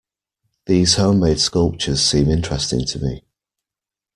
These home-made sculptures seem interesting to me.